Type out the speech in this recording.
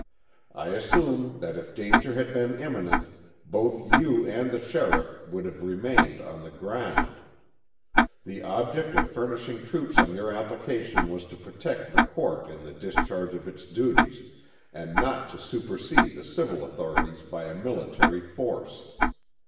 I assume that if danger had been imminent, both you and the sheriff would have remained on the ground. The object of furnishing troops on your application was to protect the court in the discharge of its duties, and not to supercede the civil authorities by a military force.